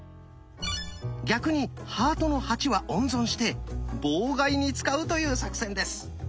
逆に「ハートの８」は温存して妨害に使うという作戦です。